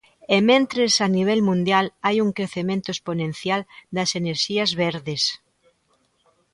E mentres, a nivel mundial hai un crecemento exponencial das enerxías verdes.